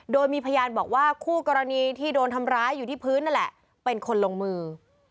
โดยมีพยานบอกว่าคู่กรณีที่โดนทำร้ายอยู่ที่พื้นนั่นแหละเป็นคนลงมือ